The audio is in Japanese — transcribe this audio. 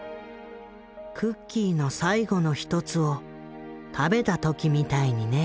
「クッキーの最後の１つを食べた時みたいにね」。